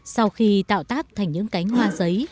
sau khi tạo tác thành những cánh hoa giấy